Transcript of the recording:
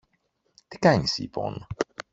Τι κάνεις λοιπόν;